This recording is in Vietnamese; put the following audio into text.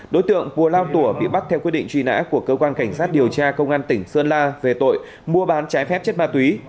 đối tượng cùa lao tùa bị bắt theo quyết định truy nã của cơ quan cảnh sát điều tra công an tỉnh sơn la về tội mua bán trái phép chất ma túy